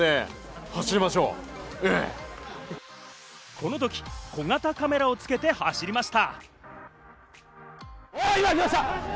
このとき、小型カメラをつけて走りました。